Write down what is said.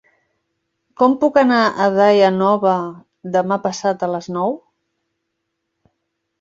Com puc anar a Daia Nova demà passat a les nou?